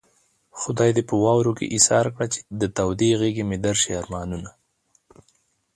خدای دې په واورو کې ايسار کړه چې د تودې غېږې مې درشي ارمانونه